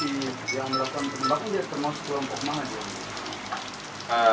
ini si yang melakukan penembakan dia termasuk kelompok mana